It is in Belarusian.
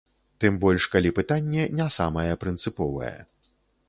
Тым больш, калі пытанне не самае прынцыповае.